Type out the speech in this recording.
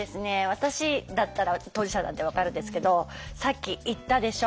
私だったら当事者なんで分かるんですけど「さっき言ったでしょ。